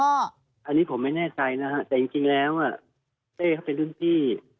อันนี้ผมไม่แน่ใจนะฮะแต่จริงแล้วเต้เขาเป็นรุ่นพี่